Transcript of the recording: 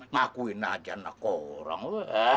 ngakuin aja anak orang